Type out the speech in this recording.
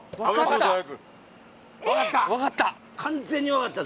分かった！